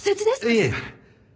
いえ。